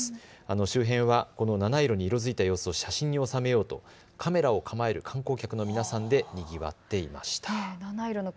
周辺は七色に色づいた様子を写真に収めようとカメラを構える観光客の皆さんでにぎわっていました。